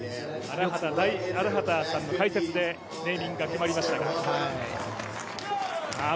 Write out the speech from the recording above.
荒畑さんの解説でネーミングが決まりましたが。